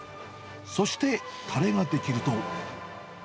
そして、たれが出来ると。